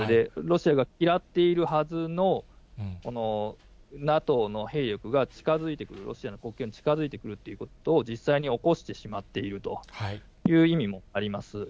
ロシアが嫌っているはずのＮＡＴＯの兵力が近づいてくる、ロシアの国境に近づいてくるということを、実際に起こしてしまっているという意味もあります。